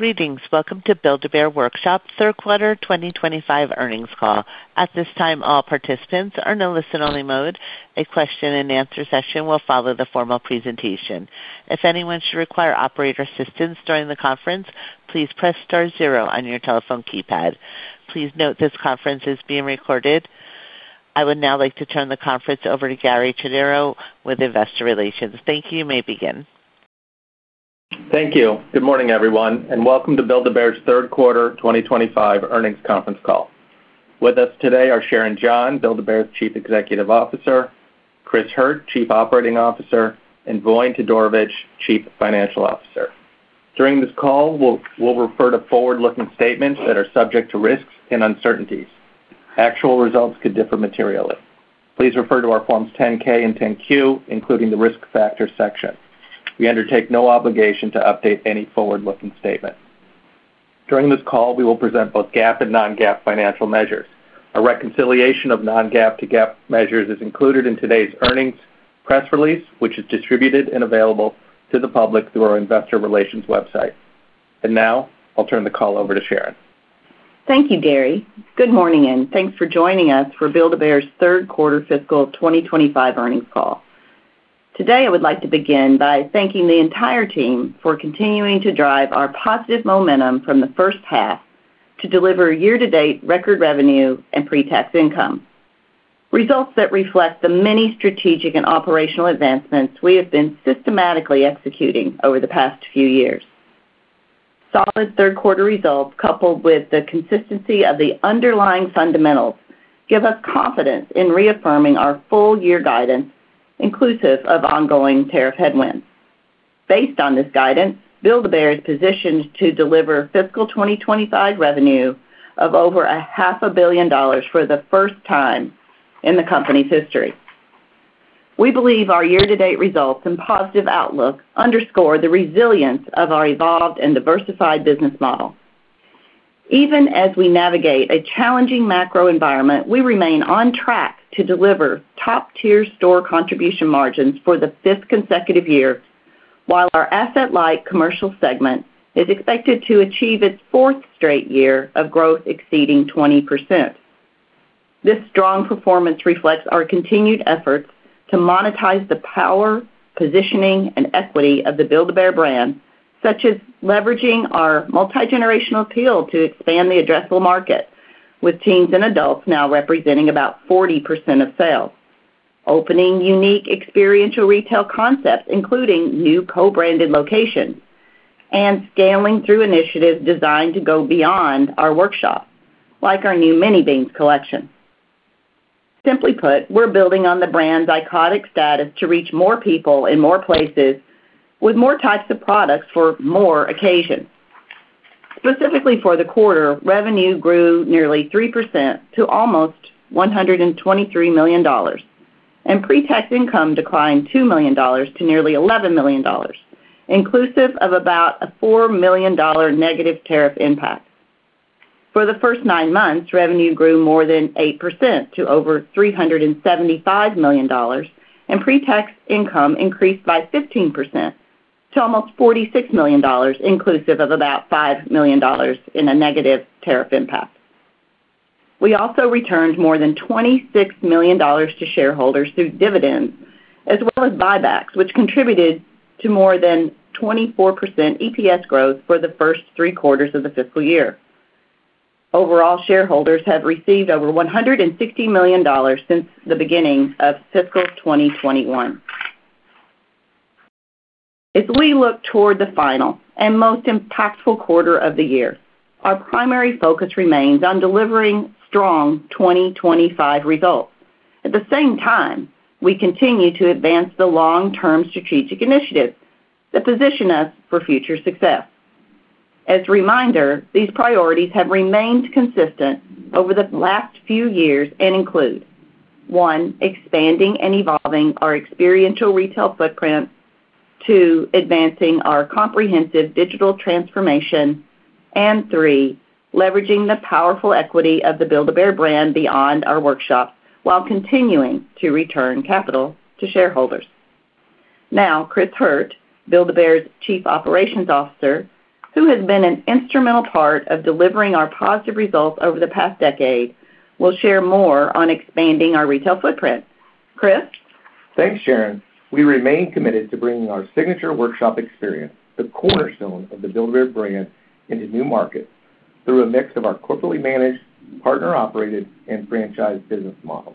Greetings. Welcome to Build-A-Bear Workshop third quarter 2025 earnings call. At this time, all participants are in a listen-only mode. A question-and-answer session will follow the formal presentation. If anyone should require operator assistance during the conference, please press star zero on your telephone keypad. Please note this conference is being recorded. I would now like to turn the conference over to Gary Schnierow with Investor Relations. Thank you. You may begin. Thank you. Good morning, everyone, and welcome to Build-A-Bear's third quarter 2025 earnings conference call. With us today are Sharon John, Build-A-Bear's Chief Executive Officer, Chris Hurt, Chief Operating Officer, and Voin Todorovic, Chief Financial Officer. During this call, we'll refer to forward-looking statements that are subject to risks and uncertainties. Actual results could differ materially. Please refer to our Forms 10-K and 10-Q, including the risk factor section. We undertake no obligation to update any forward-looking statement. During this call, we will present both GAAP and non-GAAP financial measures. A reconciliation of non-GAAP to GAAP measures is included in today's earnings press release, which is distributed and available to the public through our investor relations website, and now I'll turn the call over to Sharon. Thank you, Gary. Good morning and thanks for joining us for Build-A-Bear's third quarter fiscal 2025 earnings call. Today, I would like to begin by thanking the entire team for continuing to drive our positive momentum from the first half to deliver year-to-date record revenue and pre-tax income, results that reflect the many strategic and operational advancements we have been systematically executing over the past few years. Solid third quarter results, coupled with the consistency of the underlying fundamentals, give us confidence in reaffirming our full year guidance, inclusive of ongoing tariff headwinds. Based on this guidance, Build-A-Bear is positioned to deliver fiscal 2025 revenue of over $500,000,000 for the first time in the company's history. We believe our year-to-date results and positive outlook underscore the resilience of our evolved and diversified business model. Even as we navigate a challenging macro environment, we remain on track to deliver top-tier store contribution margins for the fifth consecutive year, while our asset-light commercial segment is expected to achieve its fourth straight year of growth exceeding 20%. This strong performance reflects our continued efforts to monetize the power, positioning, and equity of the Build-A-Bear brand, such as leveraging our multi-generational appeal to expand the addressable market, with teens and adults now representing about 40% of sales, opening unique experiential retail concepts, including new co-branded locations, and scaling through initiatives designed to go beyond our workshop, like our new Mini Beans collection. Simply put, we're building on the brand's iconic status to reach more people in more places with more types of products for more occasions. Specifically, for the quarter, revenue grew nearly 3% to almost $123 million, and pre-tax income declined $2 million to nearly $11 million, inclusive of about a $4 million negative tariff impact. For the first nine months, revenue grew more than 8% to over $375 million, and pre-tax income increased by 15% to almost $46 million, inclusive of about $5 million in a negative tariff impact. We also returned more than $26 million to shareholders through dividends, as well as buybacks, which contributed to more than 24% EPS growth for the first three quarters of the fiscal year. Overall, shareholders have received over $160 million since the beginning of fiscal 2021. As we look toward the final and most impactful quarter of the year, our primary focus remains on delivering strong 2025 results. At the same time, we continue to advance the long-term strategic initiatives that position us for future success. As a reminder, these priorities have remained consistent over the last few years and include, one, expanding and evolving our experiential retail footprint, two, advancing our comprehensive digital transformation, and three, leveraging the powerful equity of the Build-A-Bear brand beyond our workshop while continuing to return capital to shareholders. Now, Chris Hurt, Build-A-Bear's Chief Operations Officer, who has been an instrumental part of delivering our positive results over the past decade, will share more on expanding our retail footprint. Chris. Thanks, Sharon. We remain committed to bringing our signature workshop experience, the cornerstone of the Build-A-Bear brand, into new markets through a mix of our corporately managed, partner operated, and franchise business model.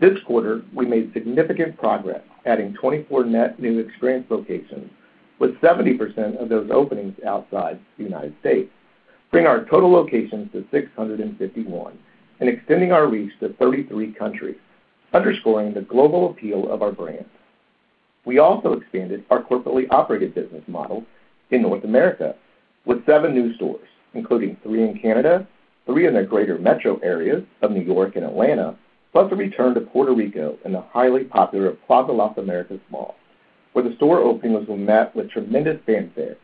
This quarter, we made significant progress, adding 24 net new experience locations, with 70% of those openings outside the United States, bringing our total locations to 651, and extending our reach to 33 countries, underscoring the global appeal of our brand. We also expanded our corporately operated business model in North America with seven new stores, including three in Canada, three in the greater metro areas of New York and Atlanta, plus a return to Puerto Rico and the highly popular Plaza Las Américas mall, where the store openings were met with tremendous fanfare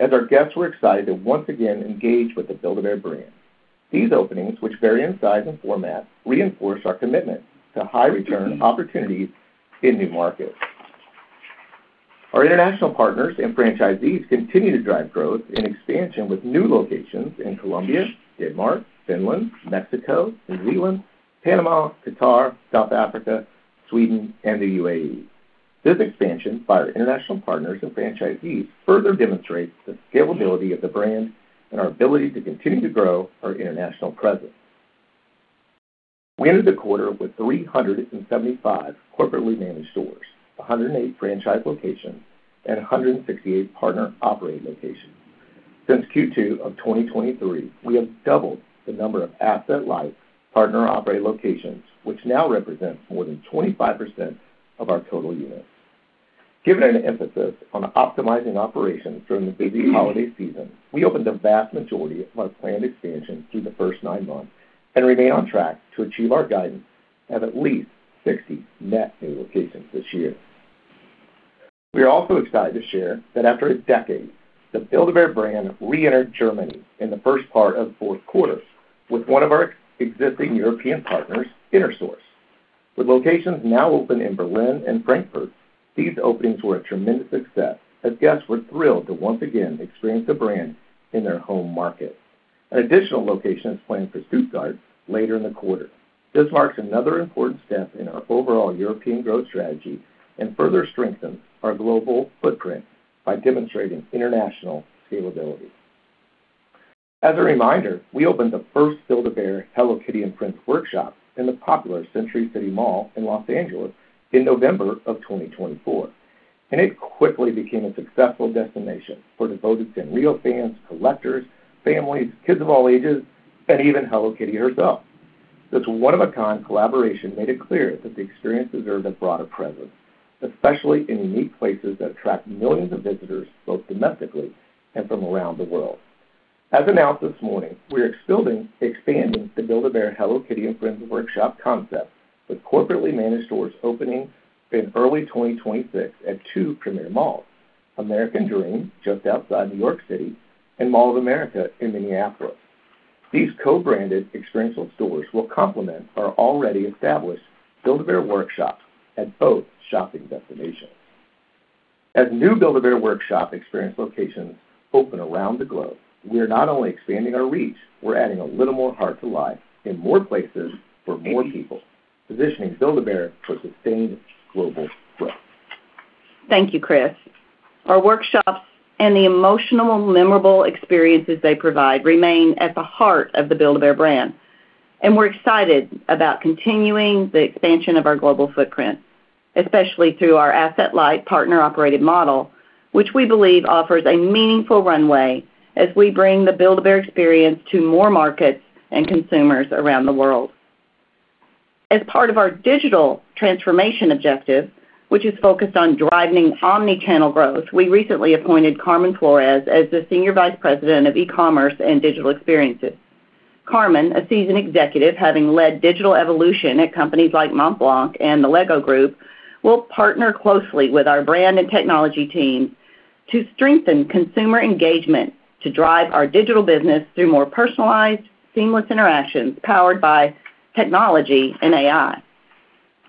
as our guests were excited to once again engage with the Build-A-Bear brand. These openings, which vary in size and format, reinforce our commitment to high return opportunities in new markets. Our international partners and franchisees continue to drive growth and expansion with new locations in Colombia, Denmark, Finland, Mexico, New Zealand, Panama, Qatar, South Africa, Sweden, and the UAE. This expansion by our international partners and franchisees further demonstrates the scalability of the brand and our ability to continue to grow our international presence. We entered the quarter with 375 corporately managed stores, 108 franchise locations, and 168 partner-operated locations. Since Q2 of 2023, we have doubled the number of asset-light partner-operated locations, which now represents more than 25% of our total units. Given an emphasis on optimizing operations during the busy holiday season, we opened the vast majority of our planned expansion through the first nine months and remain on track to achieve our guidance of at least 60 net new locations this year. We are also excited to share that after a decade, the Build-A-Bear brand re-entered Germany in the first part of the fourth quarter with one of our existing European partners, Intersource. With locations now open in Berlin and Frankfurt, these openings were a tremendous success as guests were thrilled to once again experience the brand in their home market. An additional location is planned for Stuttgart later in the quarter. This marks another important step in our overall European growth strategy and further strengthens our global footprint by demonstrating international scalability. As a reminder, we opened the first Build-A-Bear Hello Kitty and Friends workshop in the popular Century City Mall in Los Angeles in November of 2024, and it quickly became a successful destination for devoted Sanrio fans, collectors, families, kids of all ages, and even Hello Kitty herself. This one-of-a-kind collaboration made it clear that the experience deserved a broader presence, especially in unique places that attract millions of visitors both domestically and from around the world. As announced this morning, we are expanding the Build-A-Bear Hello Kitty and Friends workshop concept with corporately managed stores opening in early 2026 at two premier malls: American Dream, just outside New York City, and Mall of America in Minneapolis. These co-branded experiential stores will complement our already established Build-A-Bear workshops at both shopping destinations. As new Build-A-Bear Workshop experience locations open around the globe, we are not only expanding our reach, we're adding a little more heart to life in more places for more people, positioning Build-A-Bear Workshop for sustained global growth. Thank you, Chris. Our workshops and the emotional, memorable experiences they provide remain at the heart of the Build-A-Bear brand, and we're excited about continuing the expansion of our global footprint, especially through our asset-light partner-operated model, which we believe offers a meaningful runway as we bring the Build-A-Bear experience to more markets and consumers around the world. As part of our digital transformation objective, which is focused on driving omnichannel growth, we recently appointed Carmen Flores as the Senior Vice President of E-commerce and Digital Experiences. Carmen, a seasoned executive having led digital evolution at companies like Montblanc and the LEGO Group, will partner closely with our brand and technology teams to strengthen consumer engagement to drive our digital business through more personalized, seamless interactions powered by technology and AI.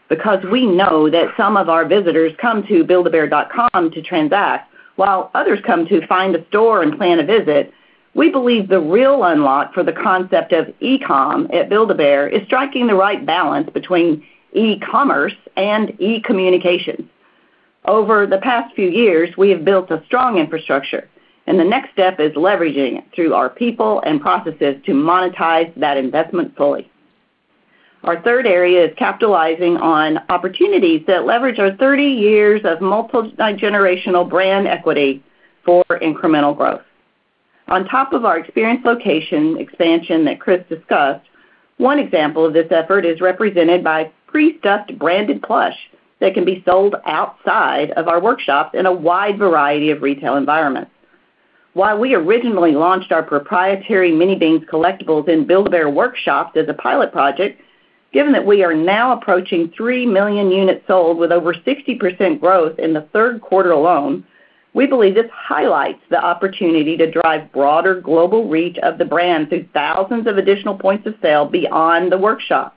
Because we know that some of our visitors come to Build-A-Bear.com to transact while others come to find a store and plan a visit, we believe the real unlock for the concept of e-com at Build-A-Bear is striking the right balance between e-commerce and e-communication. Over the past few years, we have built a strong infrastructure, and the next step is leveraging it through our people and processes to monetize that investment fully. Our third area is capitalizing on opportunities that leverage our 30 years of multi-generational brand equity for incremental growth. On top of our experience location expansion that Chris discussed, one example of this effort is represented by pre-stuffed branded plush that can be sold outside of our workshops in a wide variety of retail environments. While we originally launched our proprietary Mini Beans collectibles in Build-A-Bear workshops as a pilot project, given that we are now approaching three million units sold with over 60% growth in the third quarter alone, we believe this highlights the opportunity to drive broader global reach of the brand through thousands of additional points of sale beyond the workshop.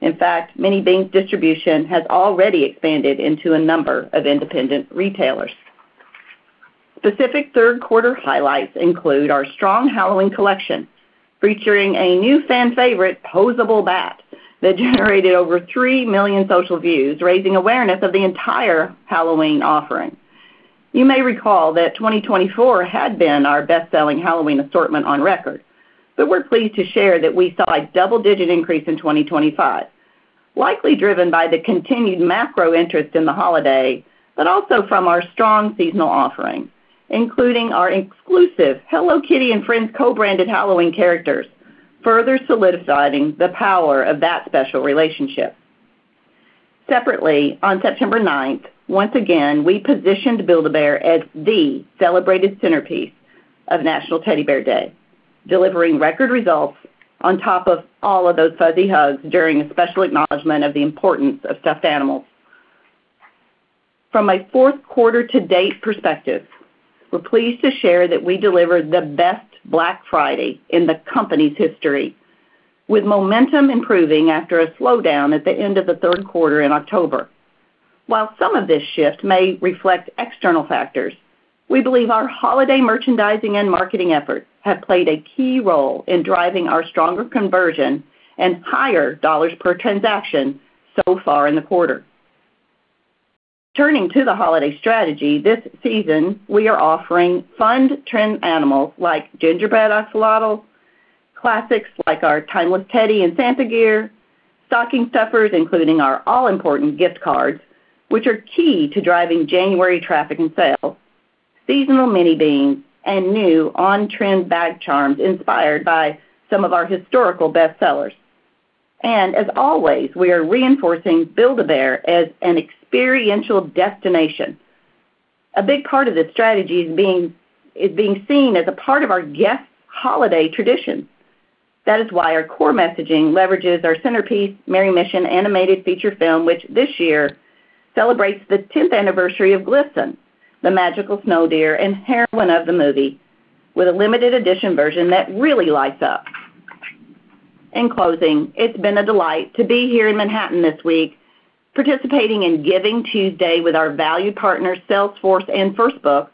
In fact, Mini Beans distribution has already expanded into a number of independent retailers. Specific third quarter highlights include our strong Halloween collection featuring a new fan favorite, Posable Bat, that generated over three million social views, raising awareness of the entire Halloween offering. You may recall that 2024 had been our best-selling Halloween assortment on record, but we're pleased to share that we saw a double digit increase in 2025, likely driven by the continued macro interest in the holiday, but also from our strong seasonal offering, including our exclusive Hello Kitty and Friends co-branded Halloween characters, further solidifying the power of that special relationship. Separately, on September 9th, once again, we positioned Build-A-Bear as the celebrated centerpiece of National Teddy Bear Day, delivering record results on top of all of those fuzzy hugs during a special acknowledgment of the importance of stuffed animals. From a fourth quarter-to-date perspective, we're pleased to share that we delivered the best Black Friday in the company's history, with momentum improving after a slowdown at the end of the third quarter in October. While some of this shift may reflect external factors, we believe our holiday merchandising and marketing efforts have played a key role in driving our stronger conversion and higher dollars per transaction so far in the quarter. Turning to the holiday strategy this season, we are offering fun trend animals like Gingerbread Axolotl, classics like our Timeless Teddy and Santa gear, stocking stuffers, including our all important gift cards, which are key to driving January traffic and sales, seasonal Mini Beans, and new on trend bag charms inspired by some of our historical bestsellers, and as always, we are reinforcing Build-A-Bear as an experiential destination. A big part of this strategy is being seen as a part of our guest holiday tradition. That is why our core messaging leverages our centerpiece, Merry Mission animated feature film, which this year celebrates the 10th anniversary of Glisten, the magical snow deer and heroine of the movie, with a limited edition version that really lights up. In closing, it's been a delight to be here in Manhattan this week, participating in Giving Tuesday with our valued partners, Salesforce and First Book,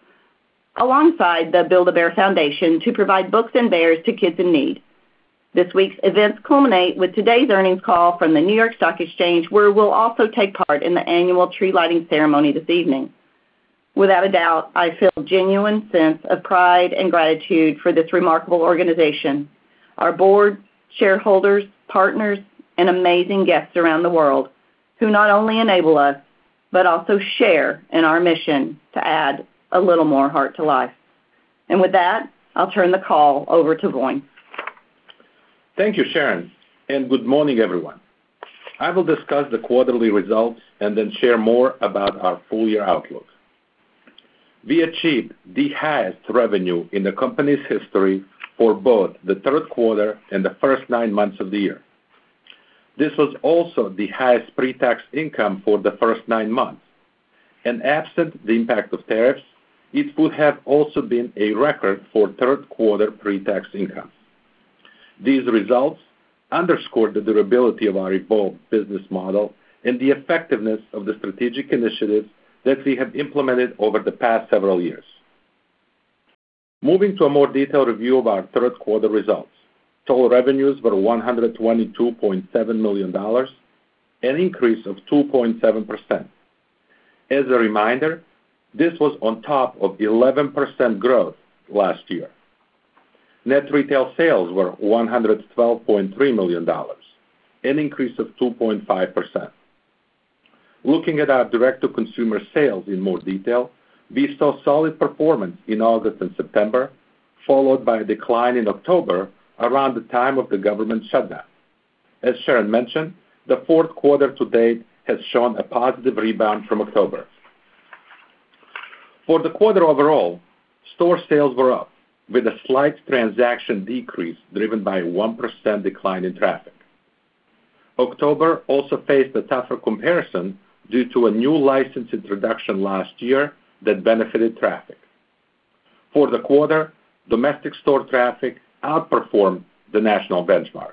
alongside the Build-A-Bear Foundation to provide books and bears to kids in need. This week's events culminate with today's earnings call from the New York Stock Exchange, where we'll also take part in the annual tree lighting ceremony this evening. Without a doubt, I feel a genuine sense of pride and gratitude for this remarkable organization, our board, shareholders, partners, and amazing guests around the world who not only enable us, but also share in our mission to add a little more heart to life. And with that, I'll turn the call over to Voin. Thank you, Sharon, and good morning, everyone. I will discuss the quarterly results and then share more about our full year outlook. We achieved the highest revenue in the company's history for both the third quarter and the first nine months of the year. This was also the highest pre-tax income for the first nine months. And absent the impact of tariffs, it would have also been a record for third quarter pre-tax income. These results underscored the durability of our evolved business model and the effectiveness of the strategic initiatives that we have implemented over the past several years. Moving to a more detailed review of our third quarter results, total revenues were $122.7 million and an increase of 2.7%. As a reminder, this was on top of 11% growth last year. Net retail sales were $112.3 million, an increase of 2.5%. Looking at our direct-to-consumer sales in more detail, we saw solid performance in August and September, followed by a decline in October around the time of the government shutdown. As Sharon mentioned, the fourth quarter-to-date has shown a positive rebound from October. For the quarter overall, store sales were up, with a slight transaction decrease driven by a 1% decline in traffic. October also faced a tougher comparison due to a new license introduction last year that benefited traffic. For the quarter, domestic store traffic outperformed the national benchmark.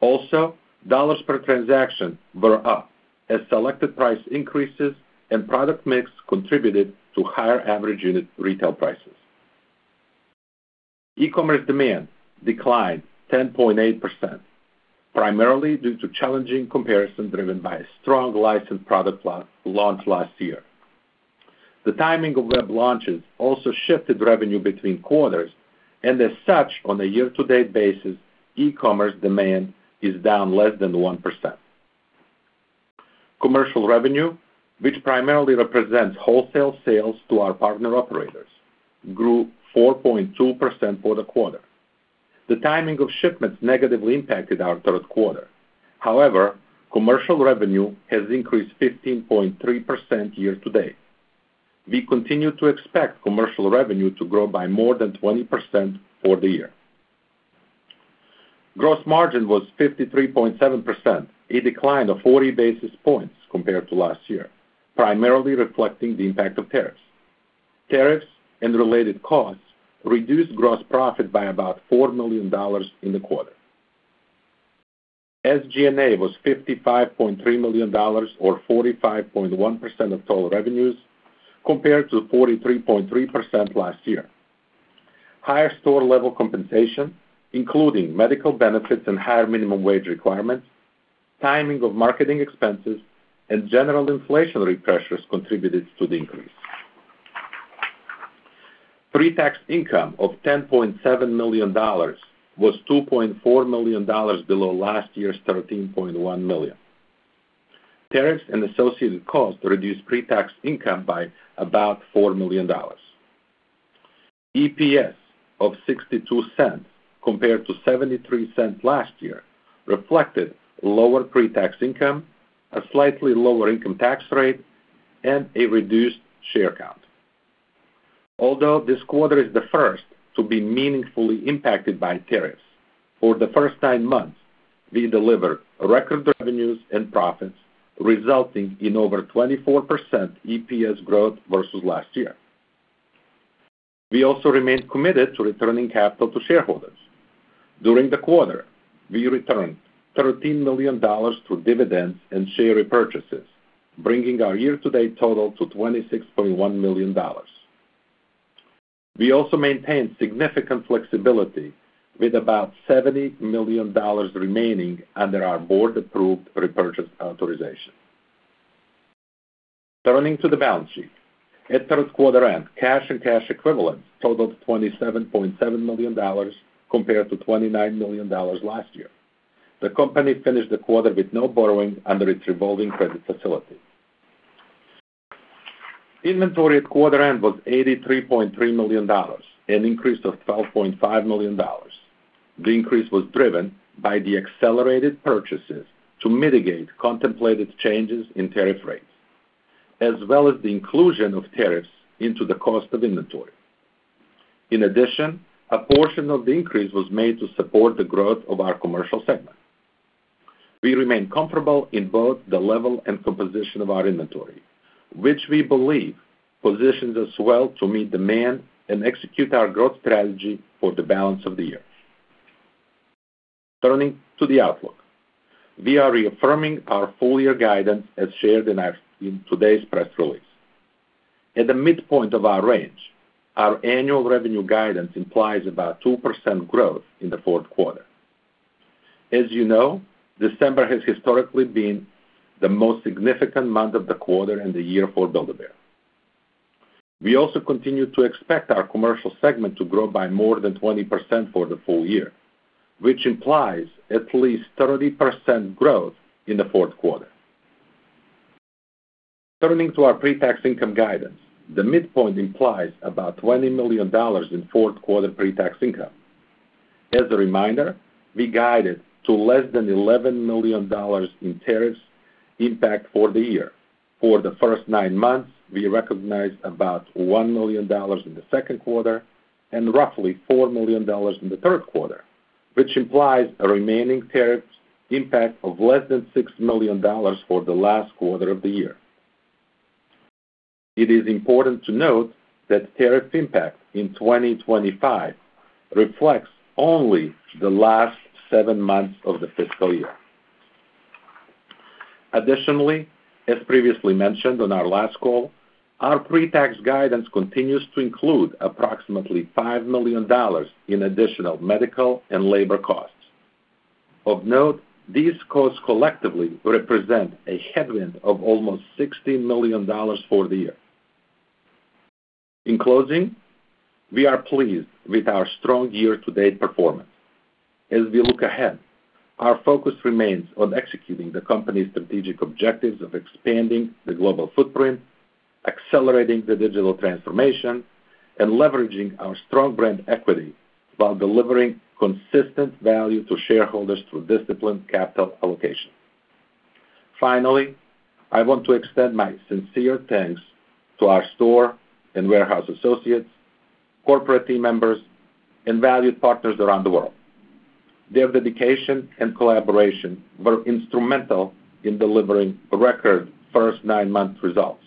Also, dollars per transaction were up as selected price increases and product mix contributed to higher average unit retail prices. E-commerce demand declined 10.8%, primarily due to challenging comparisons driven by a strong license product launch last year. The timing of web launches also shifted revenue between quarters, and as such, on a year-to-date basis, e-commerce demand is down less than 1%. Commercial revenue, which primarily represents wholesale sales to our partner operators, grew 4.2% for the quarter. The timing of shipments negatively impacted our third quarter. However, commercial revenue has increased 15.3% year-to-date. We continue to expect commercial revenue to grow by more than 20% for the year. Gross margin was 53.7%, a decline of 40 basis points compared to last year, primarily reflecting the impact of tariffs. Tariffs and related costs reduced gross profit by about $4 million in the quarter. SG&A was $55.3 million, or 45.1% of total revenues, compared to 43.3% last year. Higher store level compensation, including medical benefits and higher minimum wage requirements, timing of marketing expenses, and general inflationary pressures contributed to the increase. Pre-tax income of $10.7 million was $2.4 million below last year's $13.1 million. Tariffs and associated costs reduced pre-tax income by about $4 million. EPS of $0.62 compared to $0.73 last year reflected lower pre-tax income, a slightly lower income tax rate, and a reduced share count. Although this quarter is the first to be meaningfully impacted by tariffs, for the first nine months, we delivered record revenues and profits, resulting in over 24% EPS growth versus last year. We also remained committed to returning capital to shareholders. During the quarter, we returned $13 million through dividends and share repurchases, bringing our year-to-date total to $26.1 million. We also maintained significant flexibility, with about $70 million remaining under our board-approved repurchase authorization. Turning to the balance sheet, at third quarter end, cash and cash equivalents totaled $27.7 million compared to $29 million last year. The company finished the quarter with no borrowing under its revolving credit facility. Inventory at quarter end was $83.3 million and increased by $12.5 million. The increase was driven by the accelerated purchases to mitigate contemplated changes in tariff rates, as well as the inclusion of tariffs into the cost of inventory. In addition, a portion of the increase was made to support the growth of our commercial segment. We remain comfortable in both the level and composition of our inventory, which we believe positions us well to meet demand and execute our growth strategy for the balance of the year. Turning to the outlook, we are reaffirming our full year guidance as shared in today's press release. At the midpoint of our range, our annual revenue guidance implies about 2% growth in the fourth quarter. As you know, December has historically been the most significant month of the quarter and the year for Build-A-Bear. We also continue to expect our commercial segment to grow by more than 20% for the full year, which implies at least 30% growth in the fourth quarter. Turning to our pre-tax income guidance, the midpoint implies about $20 million in fourth quarter pre-tax income. As a reminder, we guided to less than $11 million in tariffs impact for the year. For the first nine months, we recognized about $1 million in the second quarter and roughly $4 million in the third quarter, which implies a remaining tariff impact of less than $6 million for the last quarter of the year. It is important to note that tariff impact in 2025 reflects only the last seven months of the fiscal year. Additionally, as previously mentioned on our last call, our pre-tax guidance continues to include approximately $5 million in additional medical and labor costs. Of note, these costs collectively represent a headwind of almost $60 million for the year. In closing, we are pleased with our strong year-to-date performance. As we look ahead, our focus remains on executing the company's strategic objectives of expanding the global footprint, accelerating the digital transformation, and leveraging our strong brand equity while delivering consistent value to shareholders through disciplined capital allocation. Finally, I want to extend my sincere thanks to our store and warehouse associates, corporate team members, and valued partners around the world. Their dedication and collaboration were instrumental in delivering record first nine month results,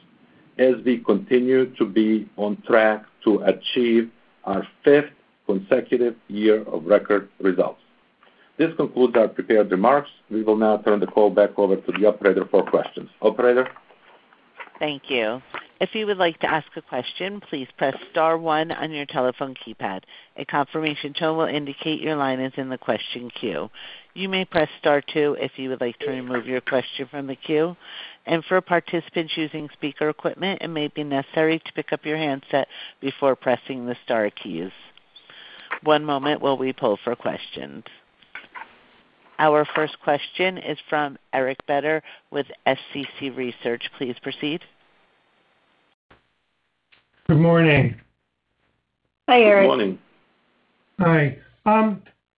as we continue to be on track to achieve our fifth consecutive year of record results. This concludes our prepared remarks. We will now turn the call back over to the operator for questions. Operator. Thank you. If you would like to ask a question, please press star one on your telephone keypad. A confirmation tone will indicate your line is in the question queue. You may press star two if you would like to remove your question from the queue. And for participants using speaker equipment, it may be necessary to pick up your handset before pressing the star keys. One moment while we pull for questions. Our first question is from Eric Beder with SCC Research. Please proceed. Good morning. Hi, Eric. Good morning. Hi.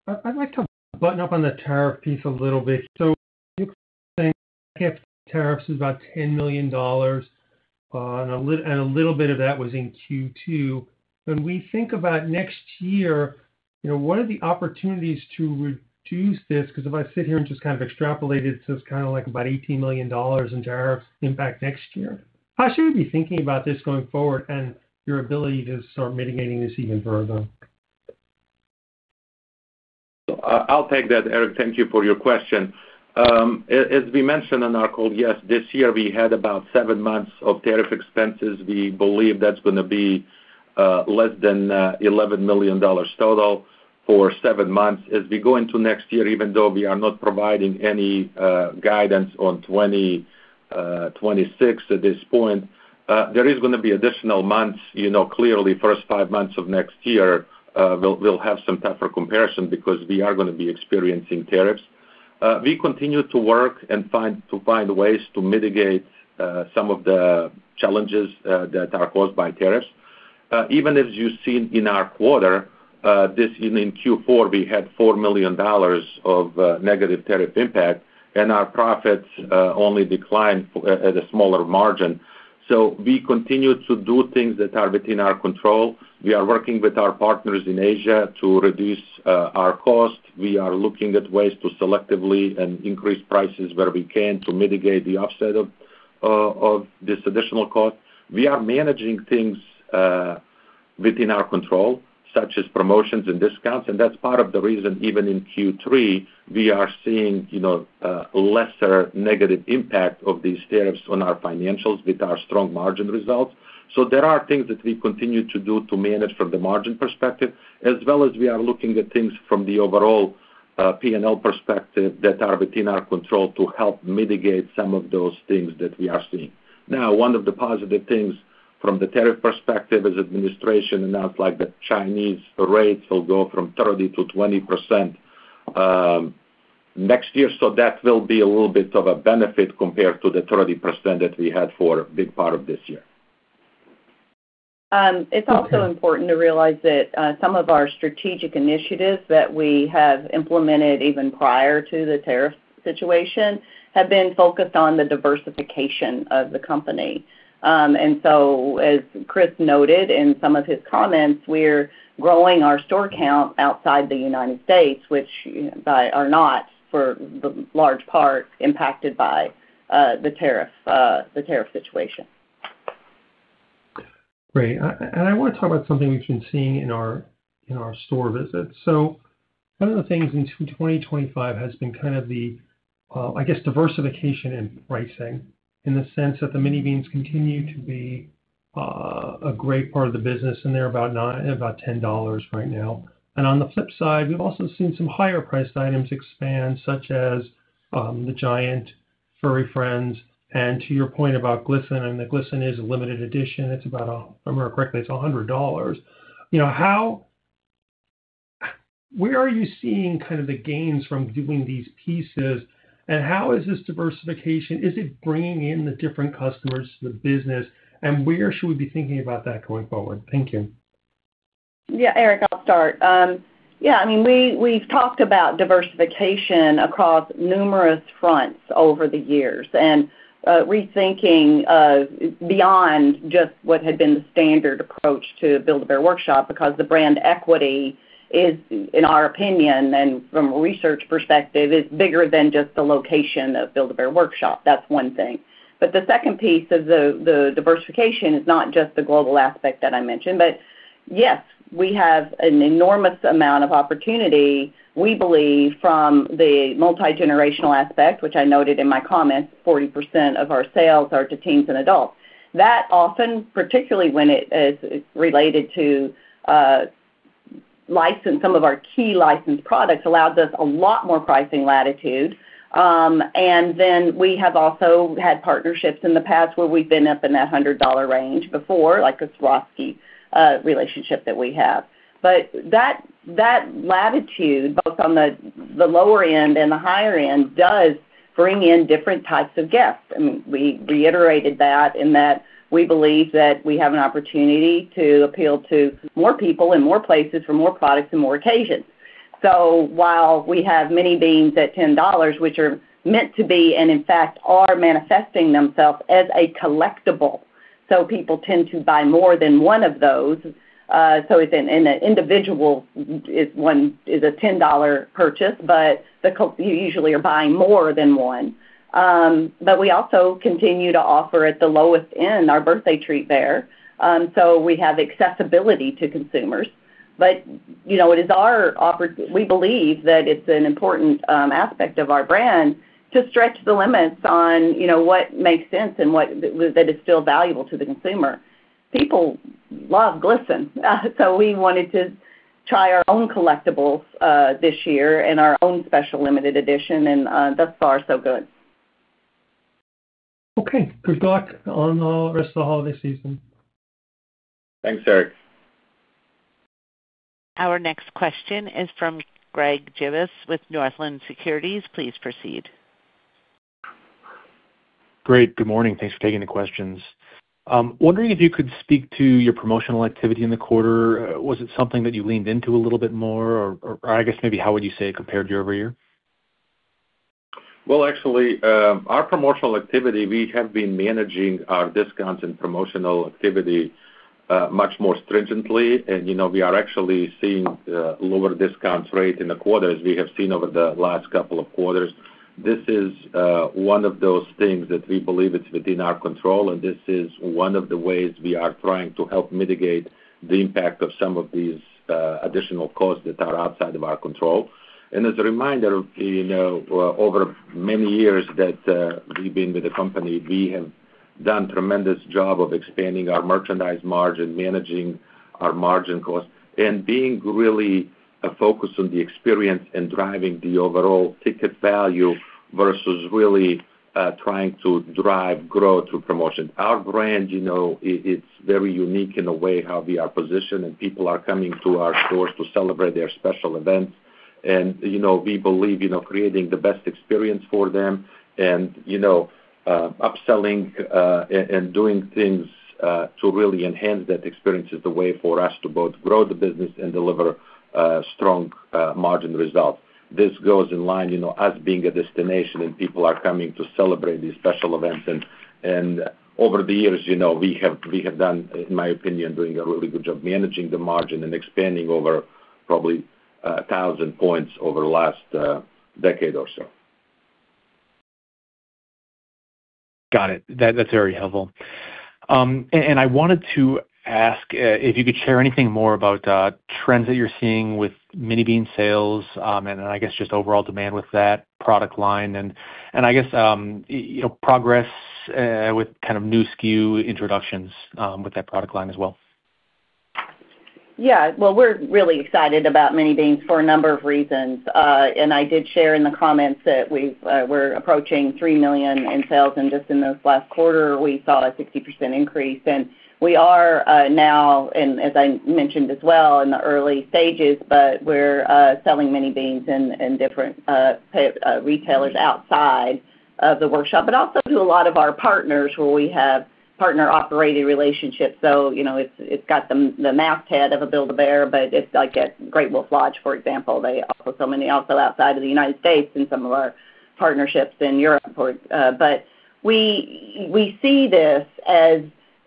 I'd like to button up on the tariff piece a little bit. So you're saying tariffs is about $10 million, and a little bit of that was in Q2. When we think about next year, what are the opportunities to reduce this? Because if I sit here and just kind of extrapolate it, it's kind of like about $18 million in tariff impact next year. How should we be thinking about this going forward and your ability to start mitigating this even further? I'll take that, Eric. Thank you for your question. As we mentioned on our call, yes, this year we had about seven months of tariff expenses. We believe that's going to be less than $11 million total for seven months. As we go into next year, even though we are not providing any guidance on 2026 at this point, there is going to be additional months. Clearly, the first five months of next year will have some tougher comparison because we are going to be experiencing tariffs. We continue to work and find ways to mitigate some of the challenges that are caused by tariffs. Even as you've seen in our quarter, in Q4, we had $4 million of negative tariff impact, and our profits only declined at a smaller margin. So we continue to do things that are within our control. We are working with our partners in Asia to reduce our cost. We are looking at ways to selectively increase prices where we can to mitigate the offset of this additional cost. We are managing things within our control, such as promotions and discounts, and that's part of the reason even in Q3 we are seeing lesser negative impact of these tariffs on our financials with our strong margin results. So, there are things that we continue to do to manage from the margin perspective, as well as we are looking at things from the overall P&L perspective that are within our control to help mitigate some of those things that we are seeing. Now, one of the positive things from the tariff perspective is the administration announced that Chinese rates will go from 30%-20% next year. So that will be a little bit of a benefit compared to the 30% that we had for a big part of this year. It's also important to realize that some of our strategic initiatives that we have implemented even prior to the tariff situation have been focused on the diversification of the company. And so, as Chris noted in some of his comments, we're growing our store count outside the United States, which are not, for the large part, impacted by the tariff situation. Great. And I want to talk about something we've been seeing in our store visits. So one of the things in 2025 has been kind of the, I guess, diversification in pricing in the sense that the Mini Beans continue to be a great part of the business, and they're about $10 right now. And on the flip side, we've also seen some higher-priced items expand, such as the Giant Furry Friends, and to your point about Glisten, I mean, the Glisten is a limited edition. If I remember correctly, it's $100. Where are you seeing kind of the gains from doing these pieces, and how is this diversification? Is it bringing in the different customers to the business, and where should we be thinking about that going forward? Thank you. Yeah, Eric, I'll start. Yeah, I mean, we've talked about diversification across numerous fronts over the years and rethinking beyond just what had been the standard approach to Build-A-Bear Workshop because the brand equity, in our opinion and from a research perspective, is bigger than just the location of Build-A-Bear Workshop. That's one thing. But the second piece of the diversification is not just the global aspect that I mentioned, but yes, we have an enormous amount of opportunity, we believe, from the multi-generational aspect, which I noted in my comments, 40% of our sales are to teens and adults. That often, particularly when it is related to some of our key licensed products, allows us a lot more pricing latitude. And then we have also had partnerships in the past where we've been up in that $100 range before, like a Swarovski relationship that we have. But that latitude, both on the lower end and the higher end, does bring in different types of guests. I mean, we reiterated that in that we believe that we have an opportunity to appeal to more people in more places for more products and more occasions. So while we have Mini Beans at $10, which are meant to be and in fact are manifesting themselves as a collectible, so people tend to buy more than one of those. So an individual is a $10 purchase, but you usually are buying more than one. But we also continue to offer at the lowest end our birthday treat there. So we have accessibility to consumers. But it is our, we believe that it's an important aspect of our brand to stretch the limits on what makes sense and what is still valuable to the consumer. People love Glisten, so we wanted to try our own collectibles this year and our own special limited edition, and thus far, so good. Okay. Good luck on the rest of the holiday season. Thanks, Eric. Our next question is from Greg Gibas with Northland Securities. Please proceed. Great. Good morning. Thanks for taking the questions. Wondering if you could speak to your promotional activity in the quarter. Was it something that you leaned into a little bit more? Or I guess maybe how would you say it compared year-over-year? Well, actually, our promotional activity, we have been managing our discounts and promotional activity much more stringently. And we are actually seeing lower discount rate in the quarter as we have seen over the last couple of quarters. This is one of those things that we believe it's within our control, and this is one of the ways we are trying to help mitigate the impact of some of these additional costs that are outside of our control. And as a reminder, over many years that we've been with the company, we have done a tremendous job of expanding our merchandise margin, managing our margin costs, and being really focused on the experience and driving the overall ticket value versus really trying to drive growth through promotion. Our brand, it's very unique in a way how we are positioned, and people are coming to our stores to celebrate their special events. And we believe creating the best experience for them and upselling and doing things to really enhance that experience is the way for us to both grow the business and deliver strong margin results. This goes in line as being a destination and people are coming to celebrate these special events. And over the years, we have done, in my opinion, a really good job managing the margin and expanding over probably 1,000 points over the last decade or so. Got it. That's very helpful. And I wanted to ask if you could share anything more about trends that you're seeing with Mini Beans sales and I guess just overall demand with that product line and I guess progress with kind of new SKU introductions with that product line as well? Yeah. Well, we're really excited about Mini Beans for a number of reasons. And I did share in the comments that we're approaching 3 million in sales. And just in this last quarter, we saw a 60% increase. And we are now, as I mentioned as well, in the early stages, but we're selling Mini Beans in different retailers outside of the workshop, but also to a lot of our partners where we have partner-operated relationships. So it's got the masthead of a Build-A-Bear, but it's like at Great Wolf Lodge, for example. So many also outside of the United States and some of our partnerships in Europe. But we see this as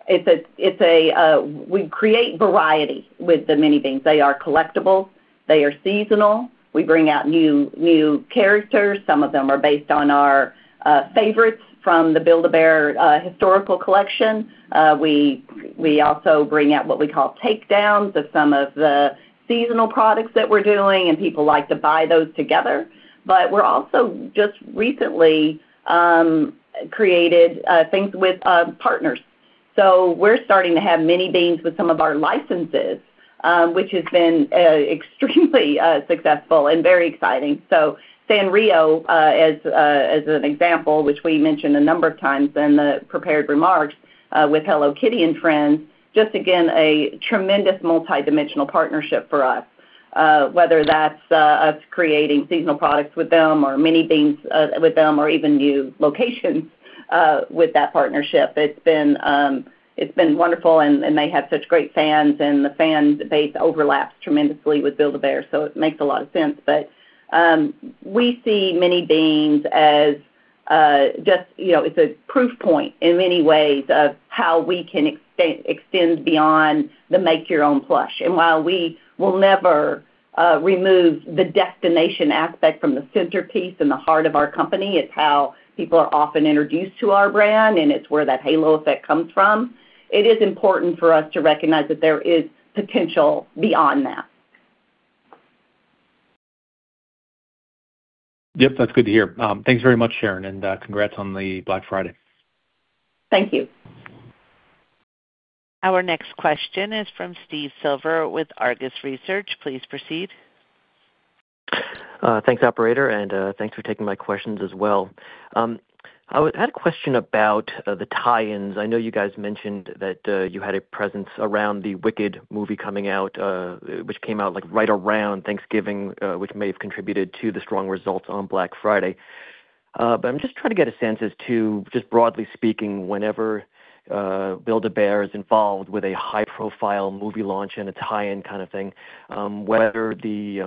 we create variety with the Mini Beans. They are collectibles. They are seasonal. We bring out new characters. Some of them are based on our favorites from the Build-A-Bear historical collection. We also bring out what we call takedowns of some of the seasonal products that we're doing, and people like to buy those together, but we're also just recently created things with partners, so we're starting to have Mini Beans with some of our licenses, which has been extremely successful and very exciting, so Sanrio, as an example, which we mentioned a number of times in the prepared remarks with Hello Kitty and Friends, just again, a tremendous multidimensional partnership for us, whether that's us creating seasonal products with them or Mini Beans with them or even new locations with that partnership. It's been wonderful, and they have such great fans, and the fan base overlaps tremendously with Build-A-Bear, so it makes a lot of sense, but we see Mini Beans as just it's a proof point in many ways of how we can extend beyond the make-your-own plush. While we will never remove the destination aspect from the centerpiece and the heart of our company, it's how people are often introduced to our brand, and it's where that halo effect comes from. It is important for us to recognize that there is potential beyond that. Yep. That's good to hear. Thanks very much, Sharon, and congrats on the Black Friday. Thank you. Our next question is from Steve Silver with Argus Research. Please proceed. Thanks, operator, and thanks for taking my questions as well. I had a question about the tie-ins. I know you guys mentioned that you had a presence around the Wicked movie coming out, which came out right around Thanksgiving, which may have contributed to the strong results on Black Friday. But I'm just trying to get a sense as to, just broadly speaking, whenever Build-A-Bear is involved with a high-profile movie launch and it's high-end kind of thing, whether the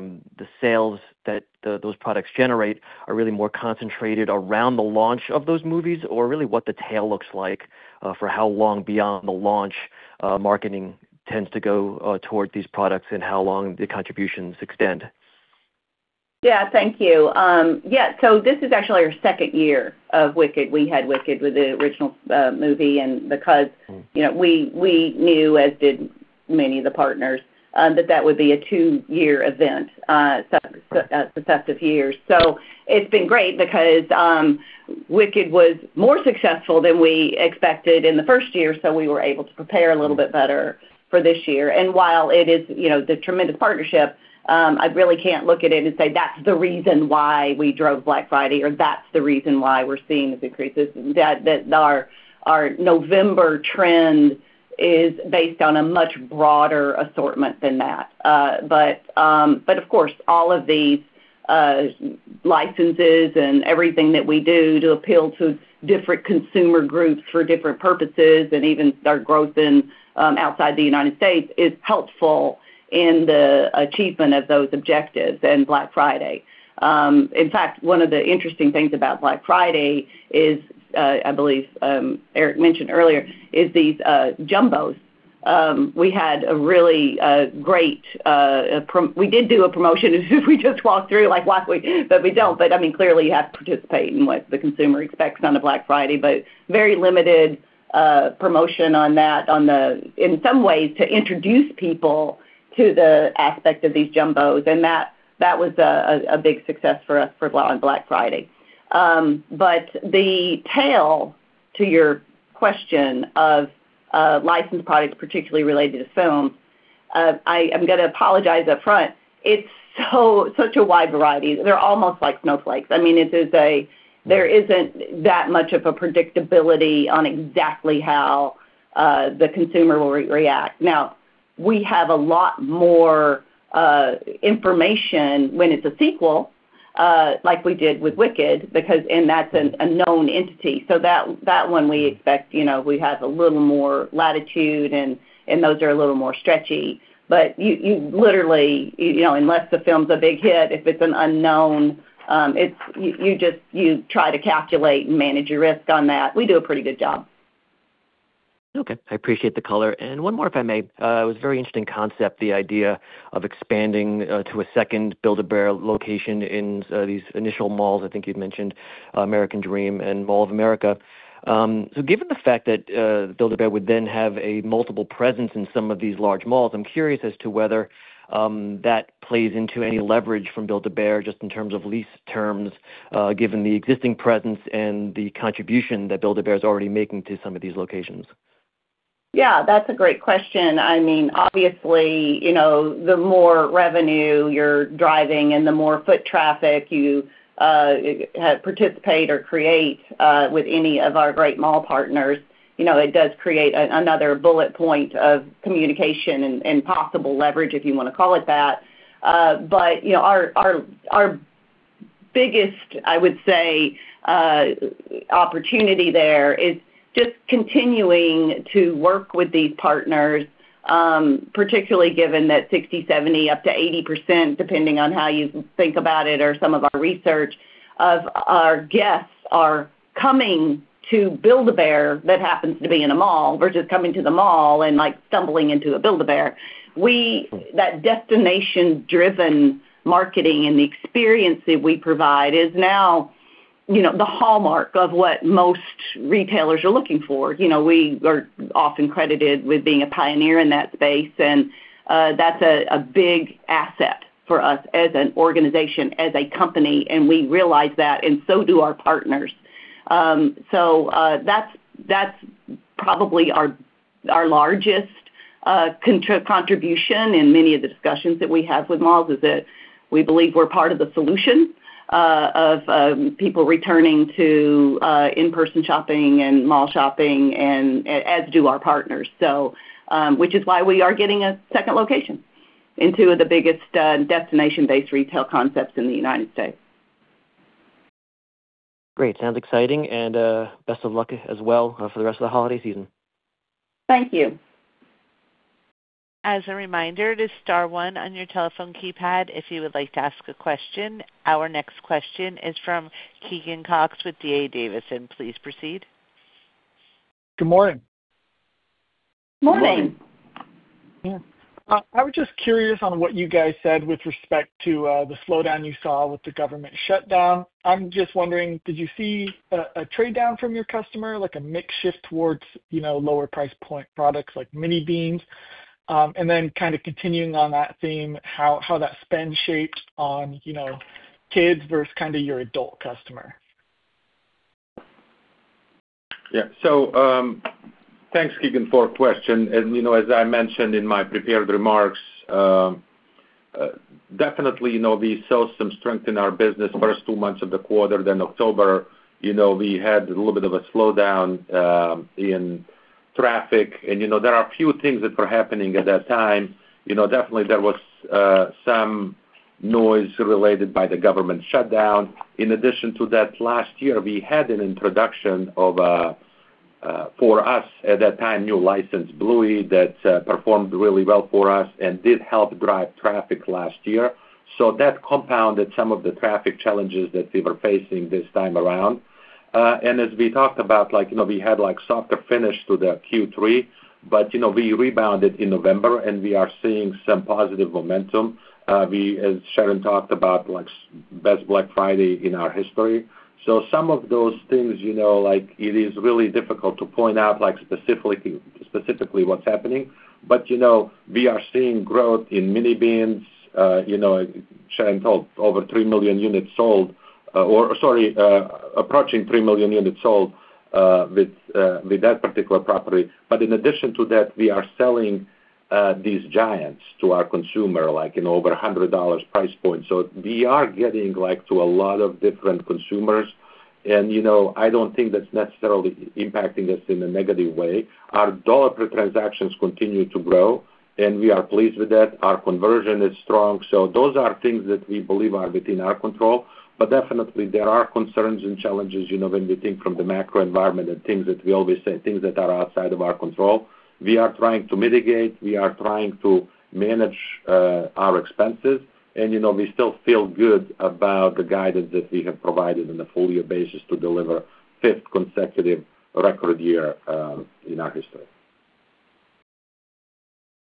sales that those products generate are really more concentrated around the launch of those movies or really what the tail looks like for how long beyond the launch marketing tends to go toward these products and how long the contributions extend. Yeah. Thank you. Yeah. So this is actually our second year of Wicked. We had Wicked with the original movie and because we knew, as did many of the partners, that that would be a two-year event, successive years. So it's been great because Wicked was more successful than we expected in the first year, so we were able to prepare a little bit better for this year. And while it is the tremendous partnership, I really can't look at it and say, that's the reason why we drove Black Friday or, that's the reason why we're seeing the decreases. Our November trend is based on a much broader assortment than that. But of course, all of these licenses and everything that we do to appeal to different consumer groups for different purposes and even our growth outside the United States is helpful in the achievement of those objectives. And Black Friday. In fact, one of the interesting things about Black Friday is, I believe Eric mentioned earlier, is these jumbos. We had a really great, we did do a promotion as we just walked through, like, why can we, but we don't. But I mean, clearly, you have to participate in what the consumer expects on a Black Friday, but very limited promotion on that in some ways to introduce people to the aspect of these jumbos. And that was a big success for us on Black Friday. But the tail, to your question of licensed products, particularly related to films, I'm going to apologize upfront. It's such a wide variety. They're almost like snowflakes. I mean, there isn't that much of a predictability on exactly how the consumer will react. Now, we have a lot more information when it's a sequel like we did with Wicked, and that's a known entity. So that one, we expect we have a little more latitude, and those are a little more stretchy. But literally, unless the film's a big hit, if it's an unknown, you try to calculate and manage your risk on that. We do a pretty good job. Okay. I appreciate the color. And one more, if I may. It was a very interesting concept, the idea of expanding to a second Build-A-Bear location in these initial malls, I think you'd mentioned American Dream and Mall of America. So given the fact that Build-A-Bear would then have a multiple presence in some of these large malls, I'm curious as to whether that plays into any leverage from Build-A-Bear just in terms of lease terms given the existing presence and the contribution that Build-A-Bear is already making to some of these locations. Yeah. That's a great question. I mean, obviously, the more revenue you're driving and the more foot traffic you participate or create with any of our great mall partners, it does create another bullet point of communication and possible leverage, if you want to call it that. But our biggest, I would say, opportunity there is just continuing to work with these partners, particularly given that 60%, 70%, up to 80%, depending on how you think about it or some of our research, of our guests are coming to Build-A-Bear that happens to be in a mall versus coming to the mall and stumbling into a Build-A-Bear. That destination-driven marketing and the experience that we provide is now the hallmark of what most retailers are looking for. We are often credited with being a pioneer in that space, and that's a big asset for us as an organization, as a company. And we realize that, and so do our partners. So that's probably our largest contribution. And many of the discussions that we have with malls is that we believe we're part of the solution of people returning to in-person shopping and mall shopping, as do our partners, which is why we are getting a second location into the biggest destination-based retail concepts in the United States. Great. Sounds exciting. And best of luck as well for the rest of the holiday season. Thank you. As a reminder, it is star one on your telephone keypad if you would like to ask a question. Our next question is from Keegan Cox with D.A. Davidson. Please proceed. Good morning. Morning. Yeah. I was just curious on what you guys said with respect to the slowdown you saw with the government shutdown. I'm just wondering, did you see a trade down from your customer, like a makeshift towards lower price point products like Mini Beans? And then kind of continuing on that theme, how that spend shaped on kids versus kind of your adult customer? Yeah. So thanks, Keegan, for the question. And as I mentioned in my prepared remarks, definitely, we saw some strength in our business the first two months of the quarter. Then October, we had a little bit of a slowdown in traffic. And there are a few things that were happening at that time. Definitely, there was some noise related to the government shutdown. In addition to that, last year, we had an introduction of, for us at that time, new licensed Bluey that performed really well for us and did help drive traffic last year. So that compounded some of the traffic challenges that we were facing this time around. And as we talked about, we had a softer finish to the Q3, but we rebounded in November, and we are seeing some positive momentum. As Sharon talked about, best Black Friday in our history. So some of those things, it is really difficult to point out specifically what's happening. But we are seeing growth in Mini Beans sold over 3 million units sold or, sorry, approaching 3 million units sold with that particular property. But in addition to that, we are selling these giants to our consumer at over $100 price point. So we are getting to a lot of different consumers. And I don't think that's necessarily impacting us in a negative way. Our dollar per transactions continue to grow, and we are pleased with that. Our conversion is strong. So those are things that we believe are within our control. But definitely, there are concerns and challenges when we think from the macro environment and things that we always say, things that are outside of our control. We are trying to mitigate. We are trying to manage our expenses. We still feel good about the guidance that we have provided on a full year basis to deliver the fifth consecutive record year in our history.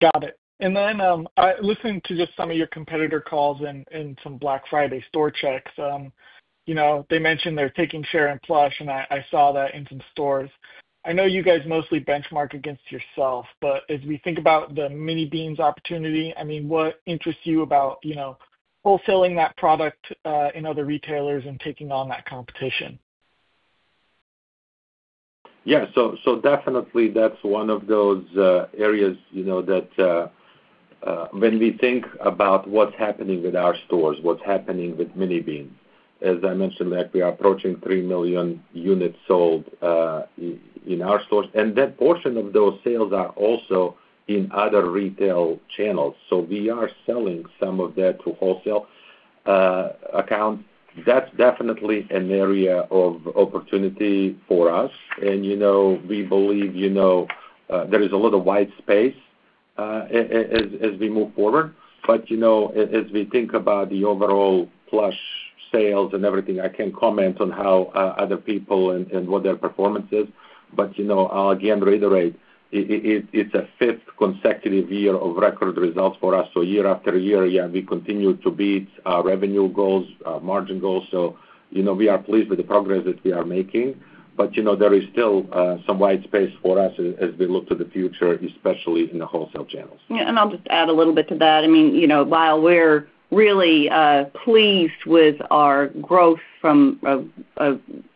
Got it. And then listening to just some of your competitor calls and some Black Friday store checks, they mentioned they're taking share in plush, and I saw that in some stores. I know you guys mostly benchmark against yourself, but as we think about the Mini Beans opportunity, I mean, what interests you about wholesaling that product in other retailers and taking on that competition? Yeah. So definitely, that's one of those areas that when we think about what's happening with our stores, what's happening with Mini Beans, as I mentioned, we are approaching three million units sold in our stores. And that portion of those sales are also in other retail channels. So we are selling some of that to wholesale accounts. That's definitely an area of opportunity for us. And we believe there is a lot of white space as we move forward. But as we think about the overall plush sales and everything, I can't comment on how other people and what their performance is. But I'll again reiterate, it's a fifth consecutive year of record results for us. So year after year, yeah, we continue to beat our revenue goals, our margin goals. So we are pleased with the progress that we are making. But there is still some white space for us as we look to the future, especially in the wholesale channels. Yeah, and I'll just add a little bit to that. I mean, while we're really pleased with our growth from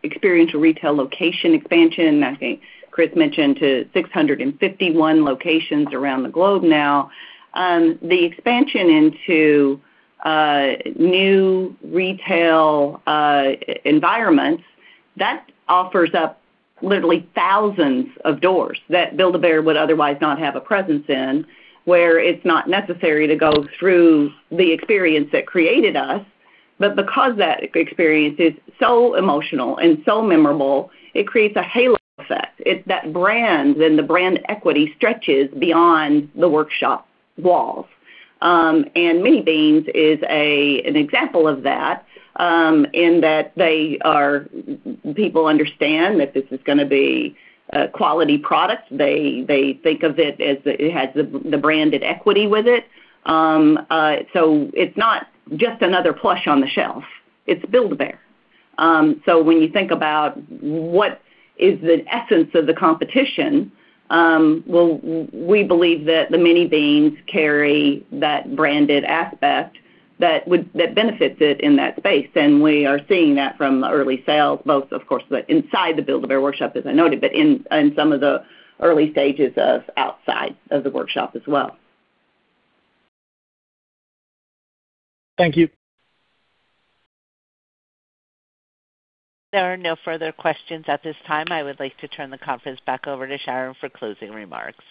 experiential retail location expansion, I think Chris mentioned to 651 locations around the globe now, the expansion into new retail environments that offers up literally thousands of doors that Build-A-Bear would otherwise not have a presence in, where it's not necessary to go through the experience that created us. But because that experience is so emotional and so memorable, it creates a halo effect. That brand and the brand equity stretches beyond the workshop walls, and Mini Beans is an example of that in that people understand that this is going to be a quality product. They think of it as it has the branded equity with it. So it's not just another plush on the shelf. It's Build-A-Bear. So when you think about what is the essence of the competition, well, we believe that the Mini Beans carry that branded aspect that benefits it in that space. And we are seeing that from early sales, both, of course, inside the Build-A-Bear Workshop, as I noted, but in some of the early stages outside of the Workshop as well. Thank you. There are no further questions at this time. I would like to turn the conference back over to Sharon for closing remarks.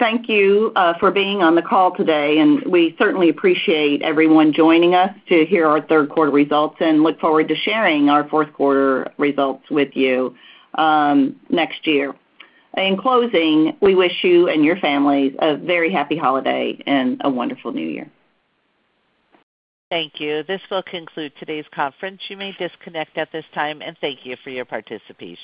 Thank you for being on the call today. And we certainly appreciate everyone joining us to hear our third quarter results and look forward to sharing our fourth quarter results with you next year. In closing, we wish you and your families a very happy holiday and a wonderful New Year. Thank you. This will conclude today's conference. You may disconnect at this time, and thank you for your participation.